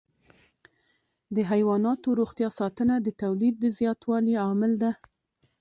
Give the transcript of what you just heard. د حيواناتو روغتیا ساتنه د تولید د زیاتوالي عامل ده.